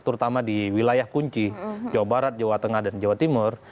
terutama di wilayah kunci jawa barat jawa tengah dan jawa timur